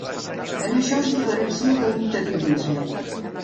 En això es diferencia de l'interiorisme.